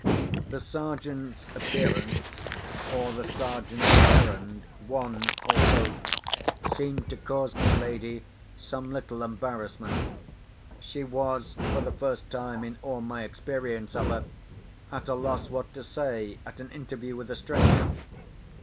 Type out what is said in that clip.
The Sergeant's appearance, or the Sergeant's errand—one or both—seemed to cause my lady some little embarrassment. She was, for the first time in all my experience of her, at a loss what to say at an interview with a stranger.